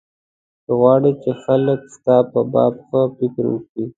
که غواړې چې خلک ستا په باب ښه فکر وکړي.